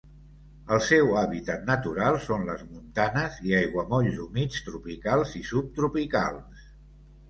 El seu hàbitat natural són les montanes i aiguamolls humits tropicals i subtropicals.